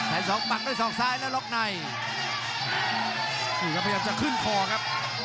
แค่สองบังด้วยสองซ้ายแล้วล็อกไหนอยากพยายามจะขึ้นคอครับ